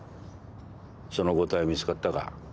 その答え見つかったか？